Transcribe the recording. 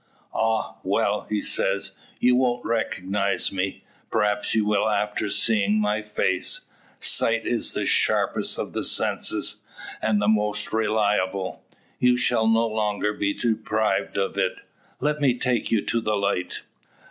"Ah, well;" he says, "you won't recognise me? Perhaps you will after seeing my face. Sight is the sharpest of the senses, and the most reliable. You shall no longer be deprived of it. Let me take you to the light."